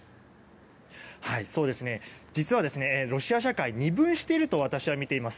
実は、ロシア社会二分していると私はみています。